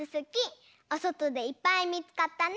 おそとでいっぱいみつかったね！